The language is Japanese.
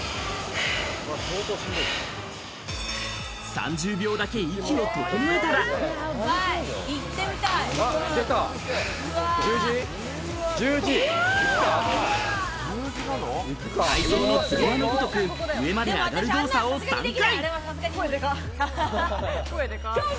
３０秒だけ息を整えたら、体操の吊り輪のごとく、上まで上がる動作を３回。